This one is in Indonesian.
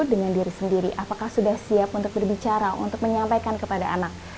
dengan diri sendiri apakah sudah siap untuk berbicara untuk menyampaikan kepada anak